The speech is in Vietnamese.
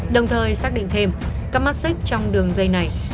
đồng thời xác định thêm các mắt xích trong đường dây này